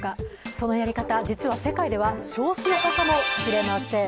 そのやり方、実は世界では少数派かもしれません。